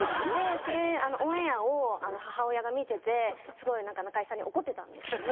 それオンエアを母親が見ててすごい中居さんに怒ってたんですよね。